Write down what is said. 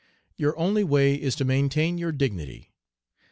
"'Your only way is to maintain your dignity.